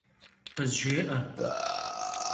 Khızjjê'e!